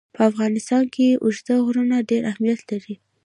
په افغانستان کې اوږده غرونه ډېر اهمیت لري.